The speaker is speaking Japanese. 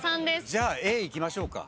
じゃあＡいきましょうか。